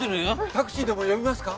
タクシーでも呼びますか？